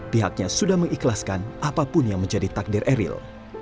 pihaknya sudah mengikhlaskan apapun yang menjadi takdir eril